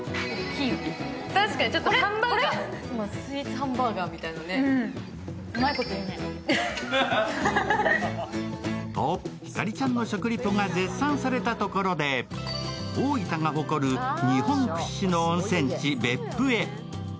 モンブランに合わせた甘さだよね。とひかりちゃんの食リポが絶賛されたところで大分が誇る日本屈指の温泉地、別府へ。